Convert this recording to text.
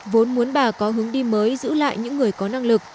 vốn muốn bà có hướng đi mới giữ lại những người có năng lực